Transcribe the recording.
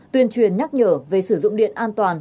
tuyên truyền nhắc nhở về sử dụng điện an toàn